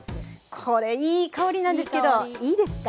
これいい香りなんですけどいいですか？